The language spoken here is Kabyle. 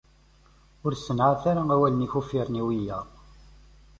Ur ssenεat ara awalen-ik uffiren i wiyaḍ.